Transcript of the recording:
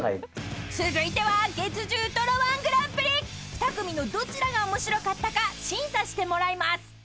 ［２組のどちらが面白かったか審査してもらいます］